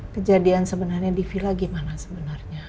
kejadian sebenarnya di villa gimana sebenarnya